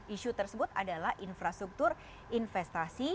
isu tersebut adalah infrastruktur investasi